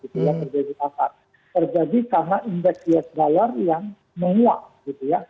terjadi apa terjadi karena indeks us dollar yang menguap